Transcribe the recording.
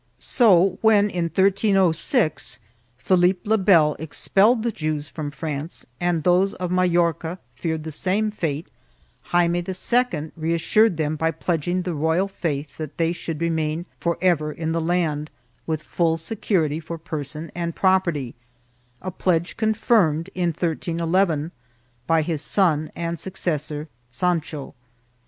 So, when in 1306 Philippe le Bel expelled the Jews from France and those of Majorca feared the same fate, Jaime II reassured them by pledging the royal faith that they should remain forever in the land, with full security for person and property, a pledge con firmed, in 1311, by his son and successor Sancho.